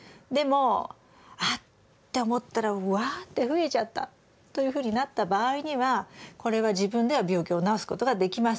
でも「あっ！」て思ったらわって増えちゃったというふうになった場合にはこれは自分では病気を治すことができません。